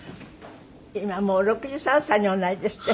今もう６３歳におなりですって？